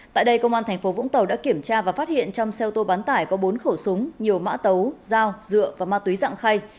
tại đây công an tp vũng tàu đã kiểm tra và phát hiện trong xe ô tô bán tải có bốn khẩu súng nhiều mã tấu dao dựa và ma túy dạng khay